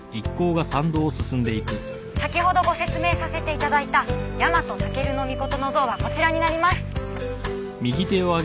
先ほどご説明させて頂いた日本武尊の像はこちらになります。